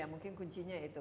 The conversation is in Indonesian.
ya mungkin kuncinya itu